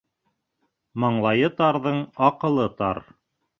Маңлайы тарҙың аҡылы тар.